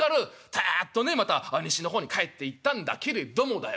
たっとねまた西の方に帰っていったんだけれどもだよ